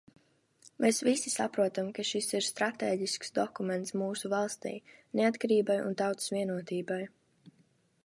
Mēs visi saprotam, ka šis ir stratēģisks dokuments mūsu valstij, neatkarībai un tautas vienotībai.